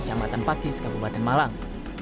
jambatan patis kabupaten malang